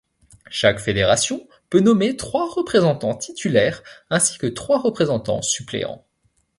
Chaque fédération peut nommer trois représentants titulaires ainsi que trois représentants suppléants.